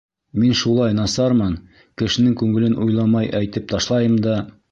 Мин шулай насармын, кешенең күңелен уйламай әйтеп ташлайым да...